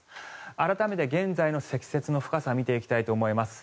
改めて現在の積雪の深さを見ていきたいと思います。